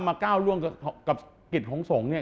ก้าวร่วงกับกิจของสงฆ์เนี่ย